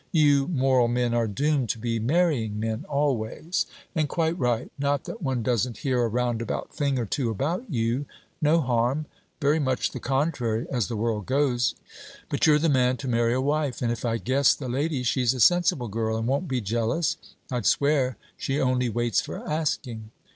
'You moral men are doomed to be marrying men, always; and quite right. Not that one doesn't hear a roundabout thing or two about you: no harm. Very much the contrary: as the world goes. But you're the man to marry a wife; and if I guess the lady, she's a sensible girl and won't be jealous. I 'd swear she only waits for asking.'